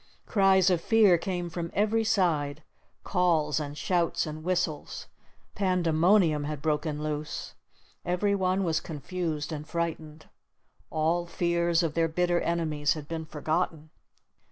Cries of fear came from every side calls and shouts and whistles. Pandemonium had broken loose. Every one was confused and frightened. All fears of their bitter enemies had been forgotten.